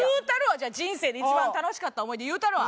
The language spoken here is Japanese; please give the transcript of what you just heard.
じゃあ人生で一番楽しかった思い出言うたるわ！